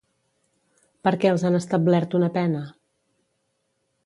Per què els han establert una pena?